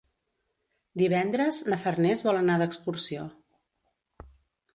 Divendres na Farners vol anar d'excursió.